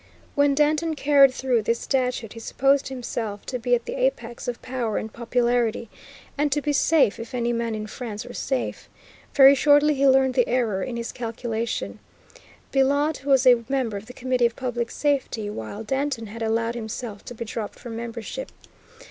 When Danton carried through this statute he supposed himself to be at the apex of power and popularity, and to be safe, if any man in France were safe. Very shortly he learned the error In his calculation. Billaud was a member of the Committee of Public Safety, while Danton had allowed himself to be dropped from membership.